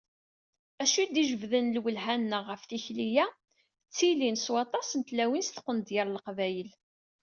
Acu i d-ijebbden lwelha-nneɣ ɣef tikli-a d tilin swaṭas n tlawin s tqendyar n Leqbayel.